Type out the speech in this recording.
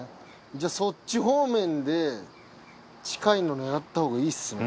じゃそっち方面で近いの狙ったほうがいいっすよね。